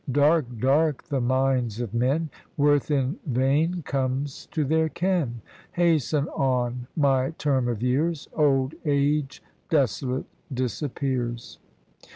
Dark, dark, the minds of men ! Worth in vain comes to their ken. Hasten on, my term of years: Old age, desolate, disappears.